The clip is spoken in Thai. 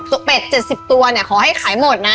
เป็ด๗๐ตัวเนี่ยขอให้ขายหมดนะ